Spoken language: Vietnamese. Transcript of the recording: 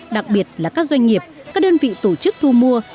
đặc biệt là các doanh nghiệp các đơn vị tổ chức thu mua